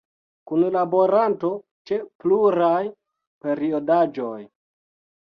Kunlaboranto ĉe pluraj periodaĵoj.